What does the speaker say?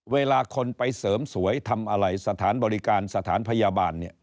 เวลาคนไปเสริมสวยทำอะไรสถานบริการสถานพยาบาล